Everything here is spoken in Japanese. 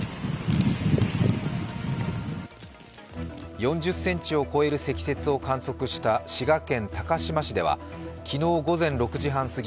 ４０ｃｍを越える積雪を観測した滋賀県高島市では昨日午前６時半すぎ